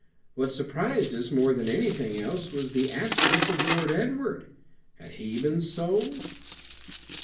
What surprised us more than anything else was the absence of Lord Edward. Had he been sold?